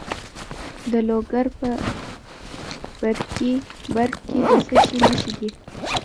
د لوګر په برکي برک کې د څه شي نښې دي؟